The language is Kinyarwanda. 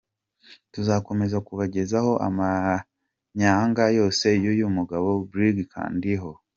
Tuzakomeza kubagezaho amanyanga yose y’uyu mugabo Brig.Kandiho.